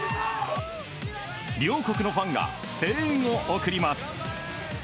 両国のファンが声援を送ります。